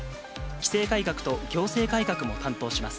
規制改革と行政改革も担当します。